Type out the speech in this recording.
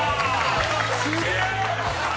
すげえ！